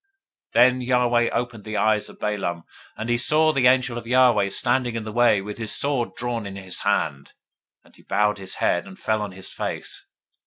022:031 Then Yahweh opened the eyes of Balaam, and he saw the angel of Yahweh standing in the way, with his sword drawn in his hand; and he bowed his head, and fell on his face.